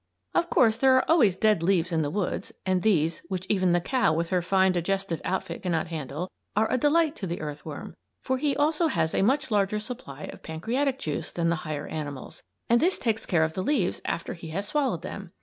Of course, there are always dead leaves in the woods, and these, which even the cow with her fine digestive outfit cannot handle, are a delight to the earthworm; for he also has a much larger supply of pancreatic juice than the higher animals, and this takes care of the leaves after he has swallowed them.